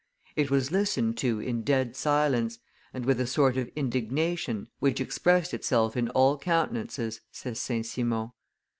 "It was listened to in dead silence, and with a sort of indignation, which expressed itself in all countenances," says St. Simon.